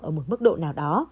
ở một mức độ nào đó